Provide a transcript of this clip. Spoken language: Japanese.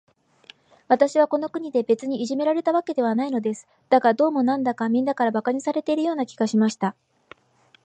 私はこの国で、別にいじめられたわけではないのです。だが、どうも、なんだか、みんなから馬鹿にされているような気がしました。